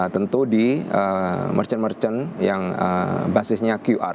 tentu di merchant merchant yang basisnya qr